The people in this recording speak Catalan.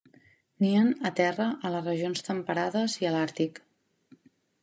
Nien a terra a les regions temperades i a l'Àrtic.